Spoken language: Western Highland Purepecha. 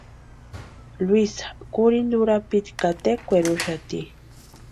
Luisa kurhinta urapiti ka tekweri úxati.